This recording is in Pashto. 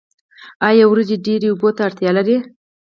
آیا وریجې ډیرو اوبو ته اړتیا لري؟